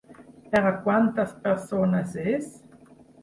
Per a quantes persones és?